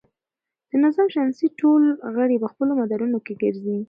د نظام شمسي ټول غړي په خپلو مدارونو کې ګرځي.